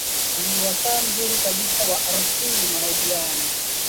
ni wasaa mzuri kabisa wa rfi mahojiano